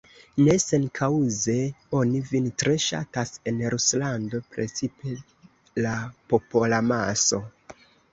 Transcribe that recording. Ne senkaŭze oni vin tre ŝatas en Ruslando, precipe la popolamaso.